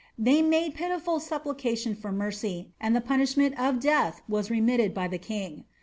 They made pitiful sap plication for mercy, and the punishment of death was remitted by the king.